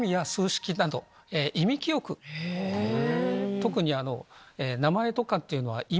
特に。